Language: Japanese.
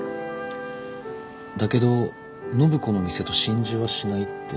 だけど暢子の店と心中はしないって。